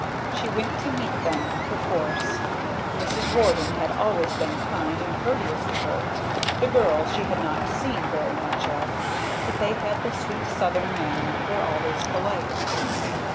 She went to meet them perforce. Mrs. Warden had always been kind and courteous to her; the girls she had not seen very much of, but they had the sweet Southern manner, were always polite.